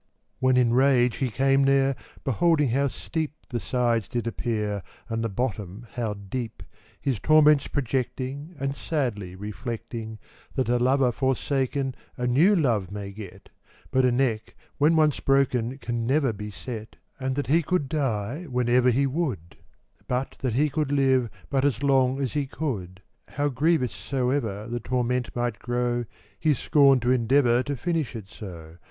When in rage he came there, Beholding how steep The sides did appear, And the bottom how deep, His torments projecting And sadly reflecting, That a lover forsaken A new love may get; But a neck, when once broken, Can never be set: And that he could die Whenever he would; But that he could live But as long as he could: How grievous soever The torment might grow, He scorn'd to endeavour To finish it so.